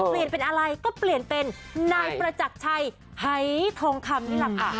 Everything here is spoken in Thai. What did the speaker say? เปลี่ยนเป็นอะไรก็เปลี่ยนเป็นนายประจักรชัยหายทองคำนี่แหละค่ะ